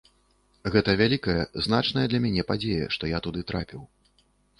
Гэта вялікая, значная для мяне падзея, што я туды трапіў.